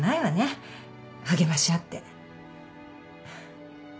励まし合って。